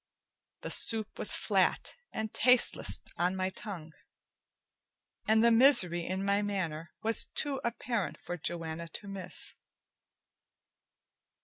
The soup was flat and tasteless on my tongue, and the misery in my manner was too apparent for Joanna to miss.